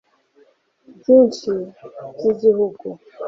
byinshi by'igihugu